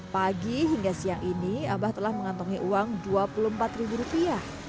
pagi hingga siang ini abah telah mengantongi uang dua puluh empat ribu rupiah